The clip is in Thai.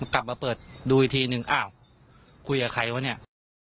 กลับมาเปิดดูอีกทีนึงอ้าวคุยกับใครวะเนี่ย